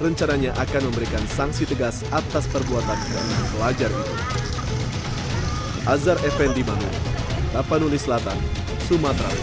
rencananya akan memberikan sanksi tegas atas perbuatan pelajar itu